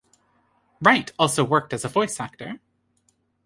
Wright also worked as a voice actor.